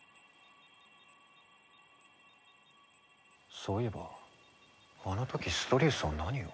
そういえばあの時ストリウスは何を。